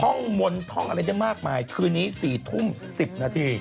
ห้องมนต์ท่องอะไรได้มากมายคืนนี้๔ทุ่ม๑๐นาที